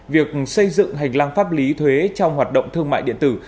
việc xây dựng hành lang pháp lý thuế trong hoạt động thương mại điện tử